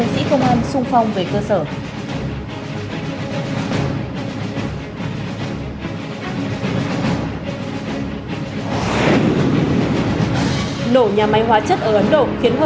đăng ký kênh để nhận thông báo về các quý vị và các bạn nhiều hơn